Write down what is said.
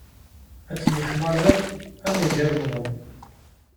Ad temyeḥmaẓem am yijirmeḍen.